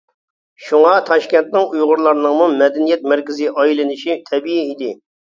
شۇڭا تاشكەنتنىڭ ئۇيغۇرلارنىڭمۇ مەدەنىيەت مەركىزىي ئايلىنىشى تەبىئىي ئىدى.